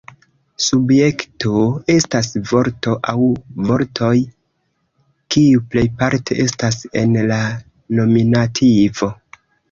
Subjekto estas vorto aŭ vortoj kiu plejparte estas en la nominativo.